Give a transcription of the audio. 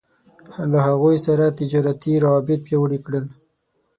له هغوی سره يې تجارتي روابط پياوړي کړل.